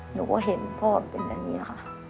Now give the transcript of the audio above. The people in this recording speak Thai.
หนูก็เห็นพ่อเป็นแบบนี้ค่ะ